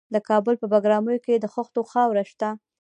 د کابل په بګرامي کې د خښتو خاوره شته.